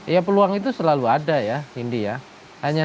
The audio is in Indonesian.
ya peluang itu selalu ada ya indi ya